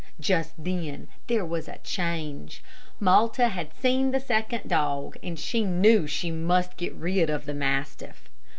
Just then there was a change. Malta had seen the second dog, and she knew she must get rid of the mastiff.